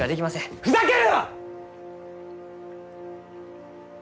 ふざけるな！